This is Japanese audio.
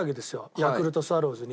ヤクルトスワローズに。